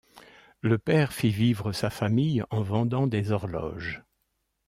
Le père fit vivre sa famille en vendant des horloges.